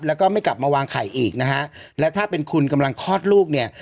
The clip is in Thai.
แล้วก็ไม่กลับมาวางไข่อีกนะฮะและถ้าเป็นคุณกำลังคลอดลูกเนี่ย